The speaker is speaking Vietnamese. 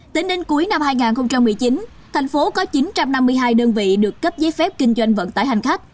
tính đến cuối năm hai nghìn một mươi chín thành phố có chín trăm năm mươi hai đơn vị được cấp giấy phép kinh doanh vận tải hành khách